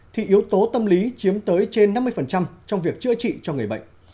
thì yếu tố tâm lý chiếm tới trên năm mươi trong việc chữa trị cho người bệnh